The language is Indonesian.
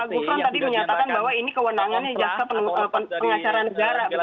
gufron tadi menyatakan bahwa ini kewenangannya jaksa pengacara negara